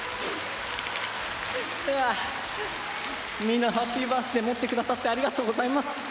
みんな「ハッピーバースデー」持ってくださってありがとうございます。